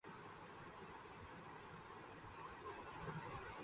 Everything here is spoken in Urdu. خواجہ سعدرفیق پھر غصہ کس پہ نکالیں گے؟